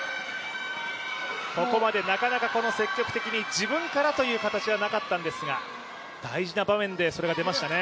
ここまでなかなか積極的に自分からという形がなかったんですが大事な場面でそれが出ましたね。